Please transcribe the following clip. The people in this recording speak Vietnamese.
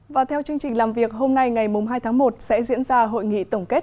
và theo chương trình làm việc hôm nay ngày hai tháng một sẽ diễn ra hội nghị tổng kết